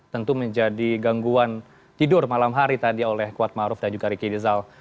tentu menjadi gangguan tidur malam hari tadi oleh kuat maruf dan juga riki rizal